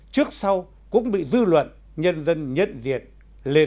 trước sau cũng bị dư luận nhân dân nhận diệt lên ạt